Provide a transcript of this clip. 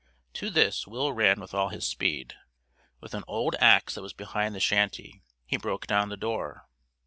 To this Will ran with all his speed. With an old ax that was behind the shanty he broke down the door.